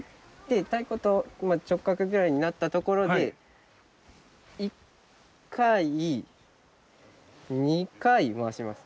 太鼓と直角ぐらいになったところで１回２回回します。